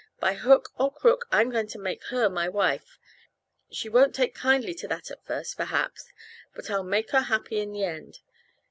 By hook or crook I'm going to make her my wife. She won't take kindly to that at first, perhaps, but I'll make her happy in the end.